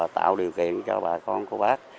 tạo điều kiện cho bà con cô bác